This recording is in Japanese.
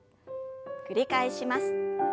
繰り返します。